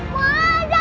mas jangan berdua